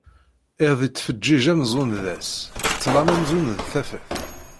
Iḍ ittfeǧǧiǧ amzun d ass, ṭṭlam amzun d tafat.